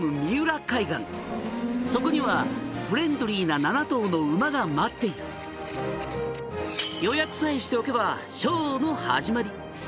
「そこにはフレンドリーな７頭の馬が待っている」「予約さえしておけばショーの始まり」